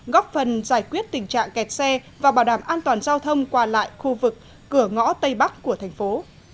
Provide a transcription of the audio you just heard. góp phần giải quyết tình trạng kẹt xe và bảo đảm an toàn giao thông qua lại khu vực cửa ngõ tây bắc của thành phố